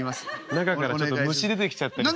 中からちょっと虫出てきちゃったりする。